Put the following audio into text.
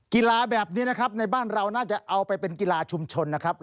กีฬาแบบนี้นะครับในบ้านเราน่าจะเอาไปเป็นกีฬาชุมชนนะครับ